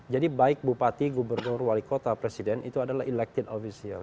jadi baik bupati gubernur wali kota presiden itu adalah elected official